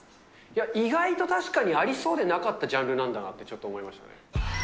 いや、意外と確かにありそうでなかったジャンルなんだなと、ちょっと思いましたね。